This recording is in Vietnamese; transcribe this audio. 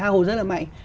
ha hồ rất là mạnh